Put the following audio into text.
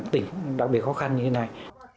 tỉnh đặc biệt khó khăn như thế này